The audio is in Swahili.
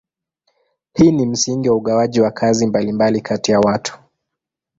Hii ni msingi wa ugawaji wa kazi mbalimbali kati ya watu.